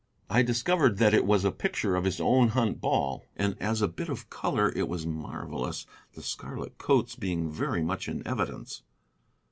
I discovered that it was a picture of his own hunt ball, and as a bit of color it was marvellous, the scarlet coats being very much in evidence.